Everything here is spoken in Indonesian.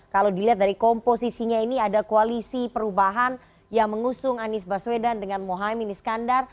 kalau dilihat dari komposisinya ini ada koalisi perubahan yang mengusung anies baswedan dengan mohaimin iskandar